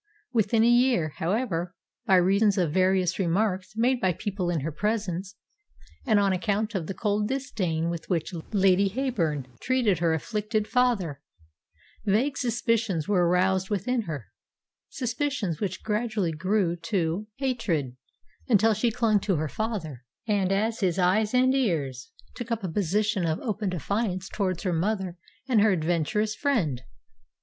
Within a year, however, by reason of various remarks made by people in her presence, and on account of the cold disdain with which Lady Heyburn treated her afflicted father, vague suspicions were aroused within her, suspicions which gradually grew to hatred, until she clung to her father, and, as his eyes and ears, took up a position of open defiance towards her mother and her adventurous friend.